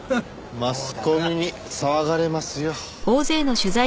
マスコミに騒がれますよ。